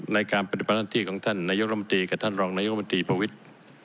ในการปฏิบัติหน้าที่ของท่านนายกรมตรีกับท่านรองนายกรรมนตรีประวิทธิ์